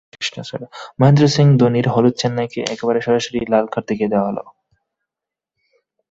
মহেন্দ্র সিং ধোনির হলুদ চেন্নাইকে একেবারে সরাসরি লাল কার্ড দেখিয়ে দেওয়া হলো।